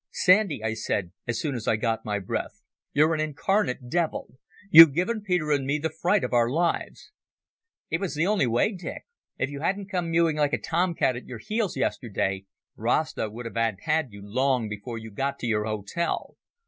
"Sandy," I said, as soon as I got my breath, "you're an incarnate devil. You've given Peter and me the fright of our lives." "It was the only way, Dick. If I hadn't come mewing like a tom cat at your heels yesterday, Rasta would have had you long before you got to your hotel.